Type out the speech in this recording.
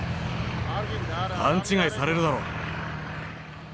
勘違いされるだろう。